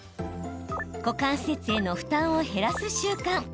股関節への負担を減らす習慣。